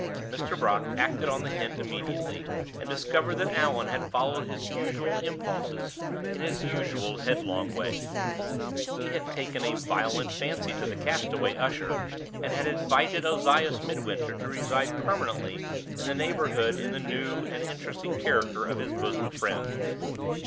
Mr. Brock acted on the hint immediately, and discovered that Allan had followed his usual impulses in his usual headlong way. He had taken a violent fancy to the castaway usher and had invited Ozias Midwinter to reside permanently in the neighborhood in the new and interesting character of his bosom friend.